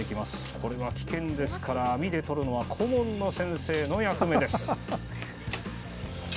これは危険なので、網でとるのは顧問の先生の役目です。